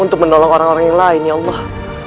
untuk menolong orang orang yang lain ya allah